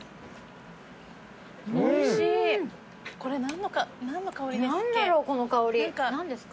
これ何の香りですっけ。